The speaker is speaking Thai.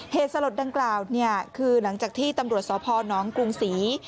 สลดดังกล่าวเนี่ยคือหลังจากที่ตำรวจสพนกรุงศรี